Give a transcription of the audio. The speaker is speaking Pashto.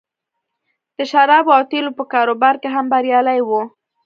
د شرابو او تیلو په کاروبار کې هم بریالی و